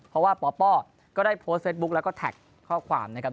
เพราะว่าปปก็ได้โพสต์เฟสบุ๊คแล้วก็แท็กข้อความนะครับ